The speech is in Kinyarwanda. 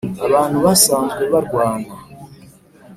abantu basanzwe barwana?